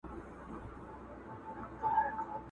اوس به څوك ځي په اتڼ تر خيبرونو٫